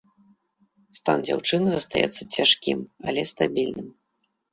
Стан дзяўчыны застаецца цяжкім, але стабільным.